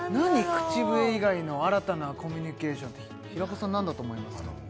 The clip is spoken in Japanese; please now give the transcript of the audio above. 口笛以外の新たなコミュニケーションって平子さん何だと思いますか？